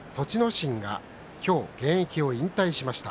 心が今日、現役を引退しました。